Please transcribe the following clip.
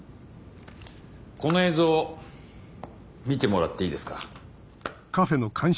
この映像見てもらっていいですか？